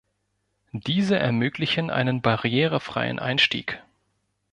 Diese ermöglichen einen barrierefreien Einstieg.